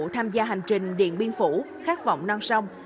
tham gia hành trình điện biên phủ khát vọng non sông